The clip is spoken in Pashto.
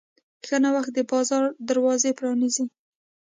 ښه نوښت د بازار دروازه پرانیزي.